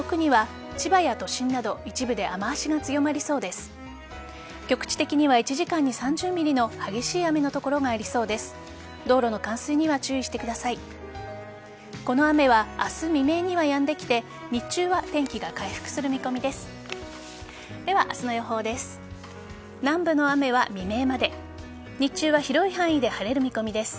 この雨は明日未明にはやんできて日中は天気が回復する見込みです。